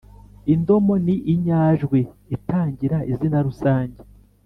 indomo ni inyajwi itangira izina rusange